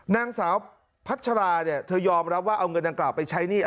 นางสาวพัชราเนี่ยเธอยอมรับว่าเอาเงินดังกล่าวไปใช้หนี้